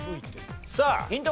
さあヒント